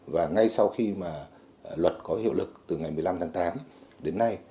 và ngay sau khi mà luật có hiệu lực từ ngày một mươi năm tháng tám đến nay